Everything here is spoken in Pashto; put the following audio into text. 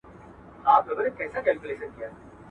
د خلګو امنیت باید تضمین سي.